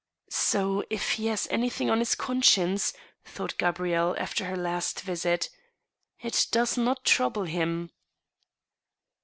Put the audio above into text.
" So, if he has anything on his conscience," thought Gabrielle, after her last visit, " it does not trouble him."